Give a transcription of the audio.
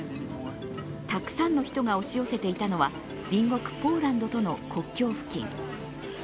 たくさんの人が押し寄せていたのは隣国ポーランドとの国境付近。